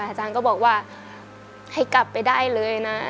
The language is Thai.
อาจารย์ก็บอกว่าให้กลับไปได้เลยนะ